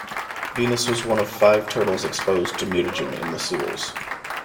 Venus was one of five turtles exposed to mutagen in the sewers.